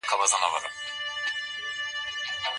لومړی پړاو د بریا او واک ترلاسه کول دي.